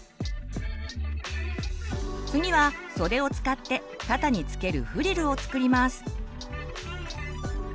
次は袖を使って肩に付けるフリルを作ります。